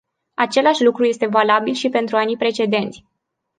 Același lucru este valabil și pentru anii precedenți.